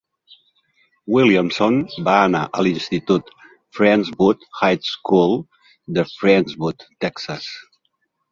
Williamson va anar a l'institut Friendswood High School de Friendswood, Texas.